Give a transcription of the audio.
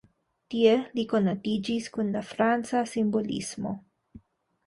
Tie li konatiĝis kun la franca simbolismo.